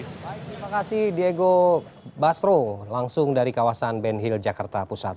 terima kasih diego basro langsung dari kawasan benhil jakarta pusat